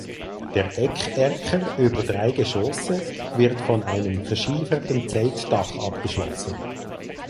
Der Eckerker über drei Geschosse wird von einem verschieferten Zeltdach abgeschlossen.